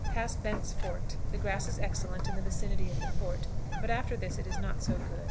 Pass Bent's Fort. The grass is excellent in the vicinity of the fort, but after this it is not so good.